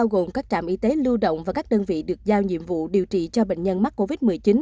gồm các trạm y tế lưu động và các đơn vị được giao nhiệm vụ điều trị cho bệnh nhân mắc covid một mươi chín